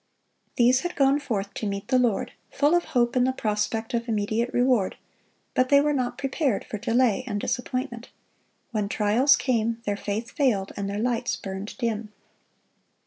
These had gone forth to meet the Lord, full of hope in the prospect of immediate reward; but they were not prepared for delay and disappointment. When trials came, their faith failed, and their lights burned dim.